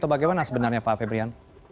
bagaimana sebenarnya pak fabrian